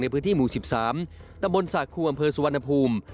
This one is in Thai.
ในพื้นที่หมู่๑๓ตำบลสระคู่อำเภอสวรรณภูมิ